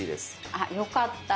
あよかった。